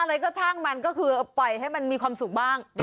อะไรก็ทางมันก็คือไปให้มันมีความสุขบ้าง